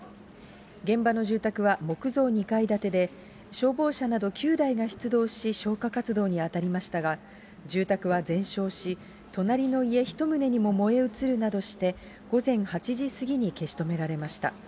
現場の住宅は木造２階建てで、消防車など９台が出動し、消火活動に当たりましたが、住宅は全焼し、隣の家１棟にも燃え移るなどして、午前８時過ぎに消し止められました。